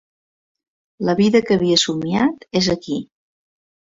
La vida que havia somniat és aquí.